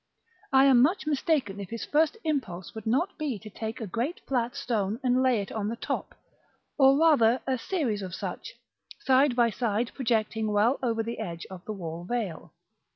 I am much mistaken if his first impulse would not be to take a great flat stone and lay it on the top; or rather a series of such, side by side, projecting well over the edge of the wall veil.